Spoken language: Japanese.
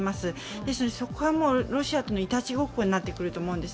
ですので、そこはロシアとのいたちごっこになってくると思うんです。